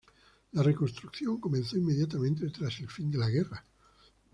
La reconstrucción comenzó inmediatamente tras el fin de la guerra.